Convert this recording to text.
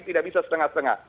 tidak bisa setengah setengah